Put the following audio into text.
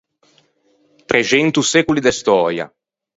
Trexento secoli de stöia.